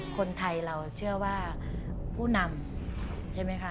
คนไทยเราเชื่อว่าผู้นำใช่ไหมคะ